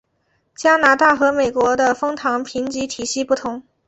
加拿大和美国的枫糖评级体系不同。